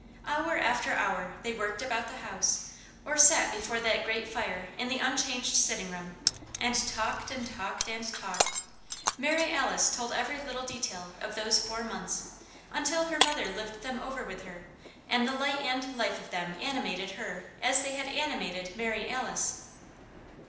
Hour after hour they worked about the house or sat before that grate fire in the unchanged sitting room, and talked and talked and talked. Mary Alice told every little detail of those four months until her mother lived them over with her and the light and life of them animated her as they had animated Mary Alice.